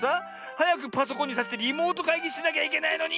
はやくパソコンにさしてリモートかいぎしなきゃいけないのに！